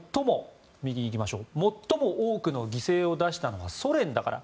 最も多くの犠牲を出したのはソ連だから。